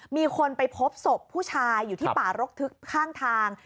มีคนไปพบศพผู้ชายอยู่ที่ป่ารกทึกข้างทาง